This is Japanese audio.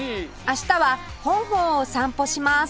明日は本郷を散歩します